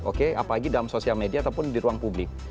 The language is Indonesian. oke apalagi dalam sosial media ataupun di ruang publik